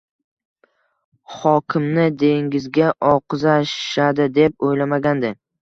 Xokimni dengizga oqizishadi, deb o`ylamagandi